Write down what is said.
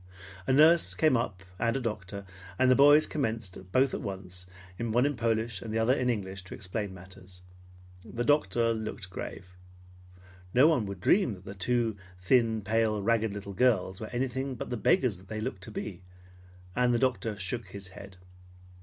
A nurse came up and a doctor, and the boys commenced, both at once, one in Polish and the other in English, to explain matters. The doctor looked grave. No one would dream that the two thin, pale, ragged little girls were anything but the beggars they looked to be, and the doctor shook his head.